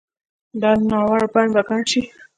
دا نارو بڼ به ګڼ شي